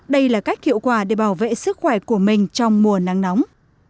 đây là cách hiệu quả để bảo vệ sức khỏe của mình trong mùa nắng nóng